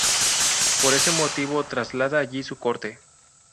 Por ese motivo traslada allí su corte.